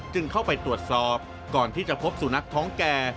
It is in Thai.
เข้าไปตรวจสอบก่อนที่จะพบสุนัขท้องแก่